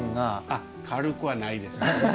あっ軽くはないです。